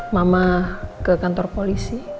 mama ke kantor polisi